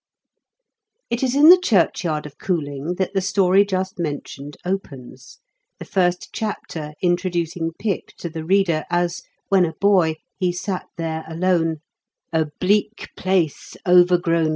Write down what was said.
It is in the churchyard of Cooling that the story just mentioned opens, the first chapter introducing Pip to the reader as, when a boy, he sat there alone —'^ a bleak place overgrown COOLINQ MAE8H.